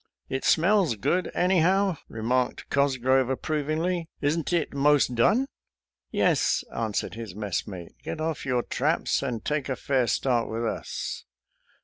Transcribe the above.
" It smells good, anyhow," remarked Cos grove approvingly. " Isn't it most done? "" Yes," answered his messmate ;" get off your traps, and take a fair start with us."